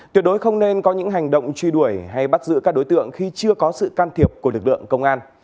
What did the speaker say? tuyệt đối không nên có những hành động truy đuổi hay bắt giữ các đối tượng khi chưa có sự can thiệp của lực lượng công an